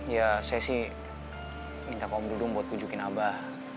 ya saya sih minta om dudung buat kujukin abah